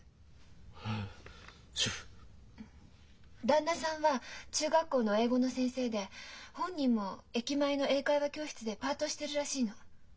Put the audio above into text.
旦那さんは中学校の英語の先生で本人も駅前の英会話教室でパートしてるらしいの。